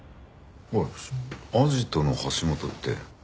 おいあじとの橋本って。